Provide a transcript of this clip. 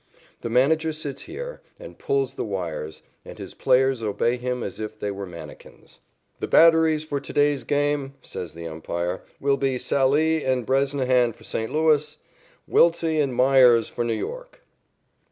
The manager sits here and pulls the wires, and his players obey him as if they were manikins. "The batteries for to day's game," says the umpire, "will be Sallee and Bresnahan for St. Louis; Wiltse and Meyers for New York."